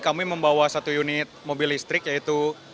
dan juga satu unit mobil listrik yaitu